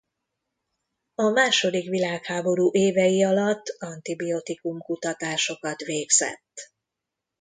A második világháború évei alatt antibiotikum-kutatásokat végzett.